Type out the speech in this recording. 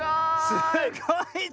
すごい！